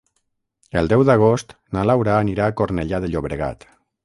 El deu d'agost na Laura anirà a Cornellà de Llobregat.